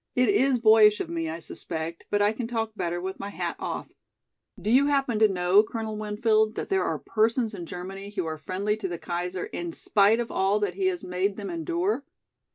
"It is boyish of me, I suspect, but I can talk better with my hat off. Do you happen to know, Colonel Winfield, that there are persons in Germany who are friendly to the Kaiser in spite of all that he has made them endure?